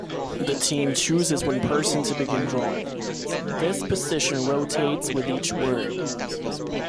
The team chooses one person to begin drawing; this position rotates with each word.